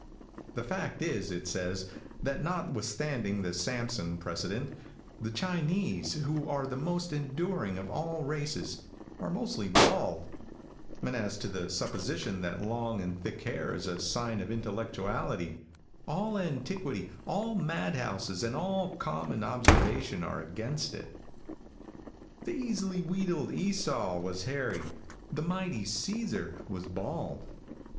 The fact is, it says, that notwithstanding the Samson precedent, the Chinese, who are the most enduring of all races, are mostly bald; and as to the supposition that long and thick hair is a sign of intellectuality, all antiquity, all madhouses and all common observation are against it. The easily wheedled Esau was hairy. The mighty Caesar was bald.